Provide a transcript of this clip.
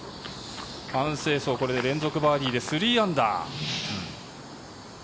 ハン・セイソウこれで連続バーディーで３アンダー。